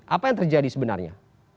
apa yang terjadi sebenarnya